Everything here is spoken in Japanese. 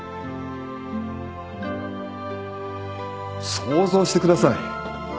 想像してください。